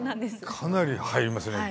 かなり入りますね。